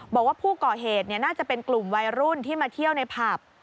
บอกว่าผู้ก่อเหตุน่าจะเป็นกลุ่มวัยรุ่นที่มาเที่ยวในผับ